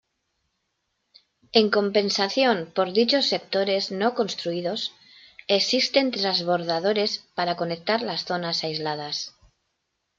En compensación por dichos sectores no construidos, existen transbordadores para conectar las zonas aisladas.